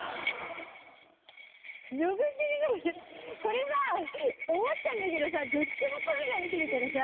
これさあ思ったんだけどさどっちもカメラ見てるからさ。